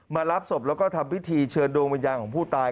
รับศพแล้วก็ทำพิธีเชิญดวงวิญญาณของผู้ตาย